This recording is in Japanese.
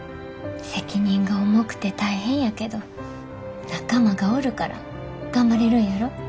責任が重くて大変やけど仲間がおるから頑張れるんやろ。